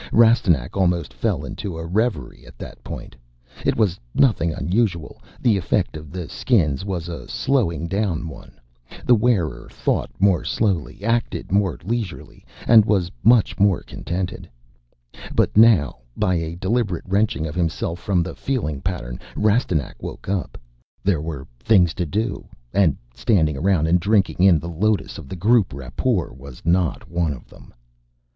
Rastignac almost fell into a reverie at that point. It was nothing unusual. The effect of the Skins was a slowing down one. The wearer thought more slowly, acted more leisurely, and was much more contented. But now, by a deliberate wrenching of himself from the feeling pattern, Rastignac woke up. There were things to do, and standing around and drinking in the lotus of the group rapport was not one of them.